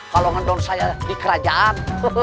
kalau ngedown saya di kerajaan